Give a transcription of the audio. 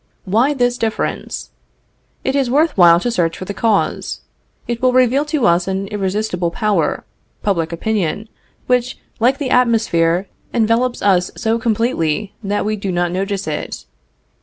Why this difference? It is worth while to search for the cause. It will reveal to us an irresistible power, public opinion, which, like the atmosphere, envelopes us so completely that we do not notice it.